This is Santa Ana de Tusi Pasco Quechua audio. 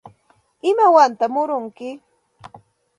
¿Imawantaq murunki?